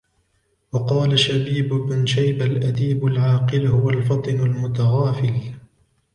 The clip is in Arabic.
وَقَالَ شَبِيبُ بْنُ شَيْبَةَ الْأَدِيبُ الْعَاقِلُ هُوَ الْفَطِنُ الْمُتَغَافِلُ